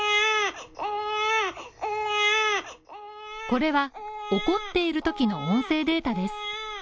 これは、怒っているときの音声データです。